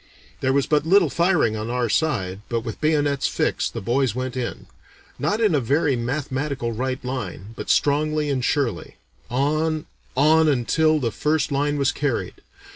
There was but little firing on our side, but with bayonets fixed the boys went in, not in a very mathematical right line, but strongly and surely, on, on, until the first line was carried.